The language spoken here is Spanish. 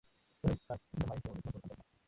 R. James es el gran maestro del cuento de fantasmas.